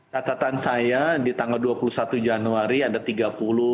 catatan saya di tanggal dua puluh satu januari ada tiga puluh dua puluh dua dua puluh tujuh ya